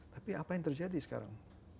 tapi apa yang terjadi sekarang